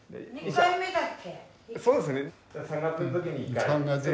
そうですね。